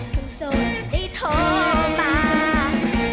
คนโสดจะได้โทษมา